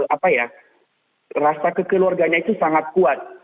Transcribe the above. apa ya rasa kekeluarganya itu sangat kuat